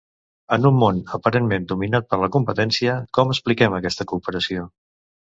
En un món aparentment dominat per la competència, com expliquem aquesta cooperació?